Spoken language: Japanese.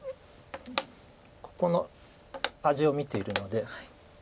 ここの味を見ているので。